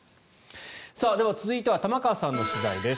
では続いては玉川さんの取材です。